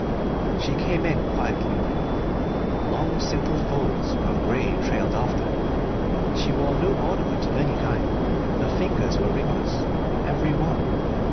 She came in quietly. Long simple folds of grey trailed after her: she wore no ornament of any kind. Her fingers were ringless, every one.